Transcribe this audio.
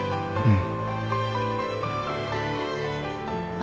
うん。